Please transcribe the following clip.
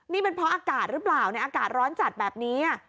นี่เป็นเพราะอากาศหรือเปล่าในอากาศร้อนจัดแบบนี้